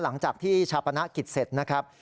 หลังจากที่ชาปนกิจเสร็จนะครับ